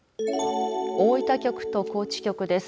大分局と高知局です。